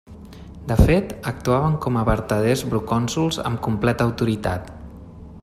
De fet, actuaven com a vertaders procònsols amb completa autoritat.